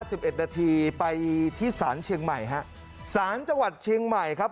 สิบเอ็ดนาทีไปที่ศาลเชียงใหม่ฮะสารจังหวัดเชียงใหม่ครับ